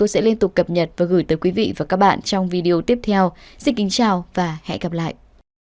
xin kính chào và hẹn gặp lại